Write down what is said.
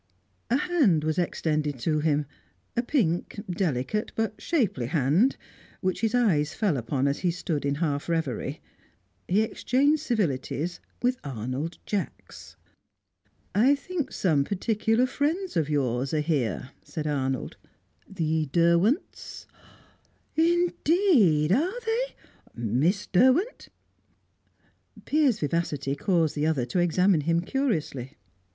A hand was extended to him, a pink, delicate, but shapely hand, which his eyes fell upon as he stood in half reverie. He exchanged civilities with Arnold Jacks. "I think some particular friends of yours are here," said Arnold. "The Derwents " "Indeed! Are they? Miss Derwent?" Piers' vivacity caused the other to examine him curiously.